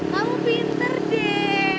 kok gini ya beb